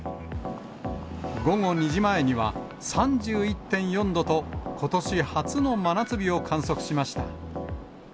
午後２時前には、３１．４度と、ことし初の真夏日を観測しました。